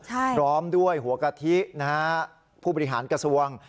พร้อมด้วยหัวกะทินะฮะผู้บริหารกระทรวง